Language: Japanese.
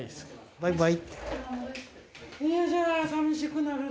バイバイ。